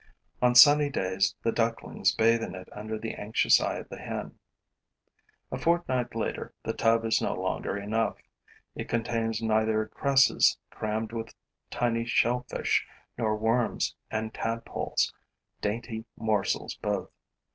On sunny days, the ducklings bathe in it under the anxious eye of the hen. A fortnight later, the tub is no longer enough. It contains neither cresses crammed with tiny shellfish nor worms and tadpoles, dainty morsels both.